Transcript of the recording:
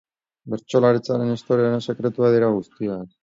Bertsolaritzaren historiaren sekretuak dira guztiak.